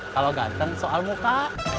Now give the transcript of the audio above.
kalau ganteng soal muka